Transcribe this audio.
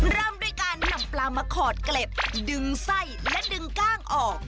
เริ่มด้วยการนำปลามาขอดเกล็ดดึงไส้และดึงกล้างออก